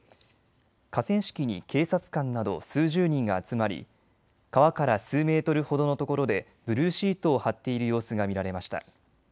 河川敷に警察官など数十人が集まり川から数メートルほどのところでブルーシートを張っている様子が見られました。